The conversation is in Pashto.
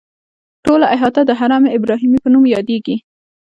ټوله احاطه د حرم ابراهیمي په نوم یادیږي.